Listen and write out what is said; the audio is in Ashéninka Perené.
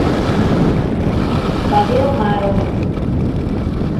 Payero maaroni.